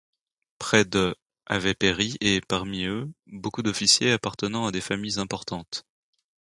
Près de avaient péri et, parmi eux, beaucoup d'officiers appartenant à des familles importantes.